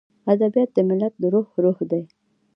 ادبیات د ملت د روح روح دی.